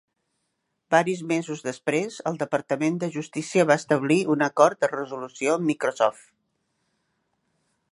Varis mesos després, el Departament de Justícia va establir un acord de resolució amb Microsoft.